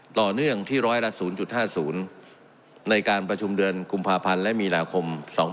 ต่อเนื่องที่ร้อยละ๐๕๐ในการประชุมเดือนกุมภาพันธ์และมีนาคม๒๕๖